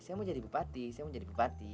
saya mau jadi bupati saya mau jadi bupati